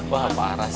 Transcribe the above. wah parah sih